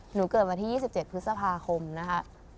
เกิดวันที่๒๗พฤษภาคมนะคะ